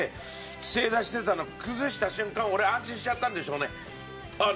正座してたの崩した瞬間俺安心しちゃったんでしょうね。